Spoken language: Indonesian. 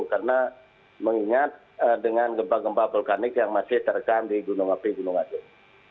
karena mengingat dengan gempa gempa vulkanik yang masih terken di gunung api gunung agung